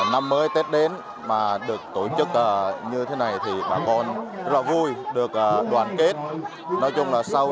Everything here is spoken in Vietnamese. năm mới tết đến mà được tổ chức như thế này thì bà con rất là vui được đoàn kết nói chung là sau